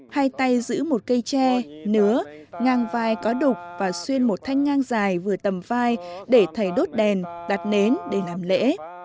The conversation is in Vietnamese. hai tay giữ một cây tre nứa ngang vai có đục và xuyên một thanh ngang dài vừa tầm vai để thầy đốt đèn đặt nến để làm lễ